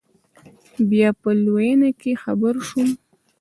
بيا په لوېينه کښې خبر سوم.